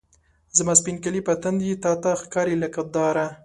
زما سپین کالي په تن دي، تا ته ښکاري لکه داره